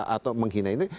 atau menghina ini